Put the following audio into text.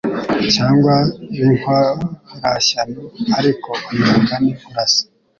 cyangwa b’inkorashyano ariko uyu mugani urasa